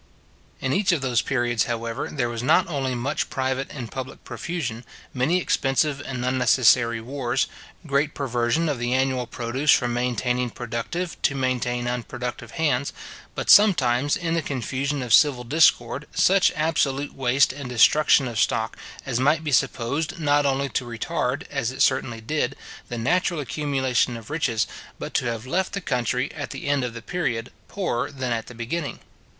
In each of those periods, however, there was not only much private and public profusion, many expensive and unnecessary wars, great perversion of the annual produce from maintaining productive to maintain unproductive hands; but sometimes, in the confusion of civil discord, such absolute waste and destruction of stock, as might be supposed, not only to retard, as it certainly did, the natural accumulation of riches, but to have left the country, at the end of the period, poorer than at the beginning.